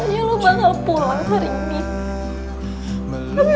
mulan kamu kenapa sih